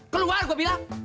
keluar gue bilang